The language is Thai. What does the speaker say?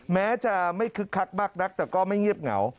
แม้จะไม่คึกคักมากนักแต่ก็ไม่เงียบเหงา